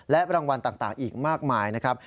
และรางวัลต่างอีกมากมายนะครับ